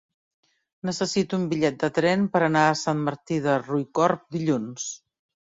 Necessito un bitllet de tren per anar a Sant Martí de Riucorb dilluns.